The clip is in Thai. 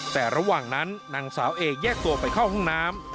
แต่ระหว่างนั้นนางสาวเอกแยกตัวไปเข้าห้องน้ำ